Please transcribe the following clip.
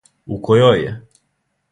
У којој је?